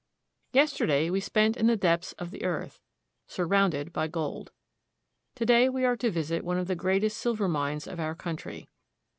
YESTERDAY we spent in the depths of the earth, sur rounded by gold. To day we are to visit one of the greatest silver mines of our country.